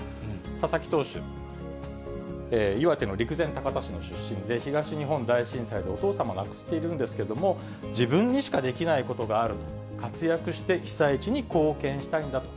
佐々木投手、岩手の陸前高田市の出身で、東日本大震災でお父様亡くしているんですけれども、自分にしかできないことがあると、活躍して被災地に貢献したいんだと。